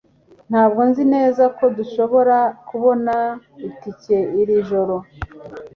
Ntabwo nzi neza ko dushobora kubona itike iri joro